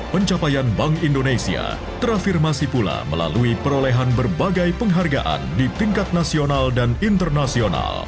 pencapaian bank indonesia terafirmasi pula melalui perolehan berbagai penghargaan di tingkat nasional dan internasional